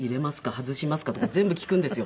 外しますか？」とか全部聞くんですよ。